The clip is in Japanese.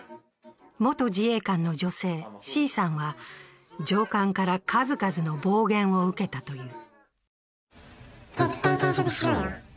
元自衛官の女性、Ｃさんは上官から数々の暴言を受けたという。